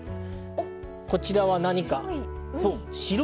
こちらは何か？